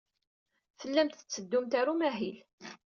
Tellamt tetteddumt ɣer umahil.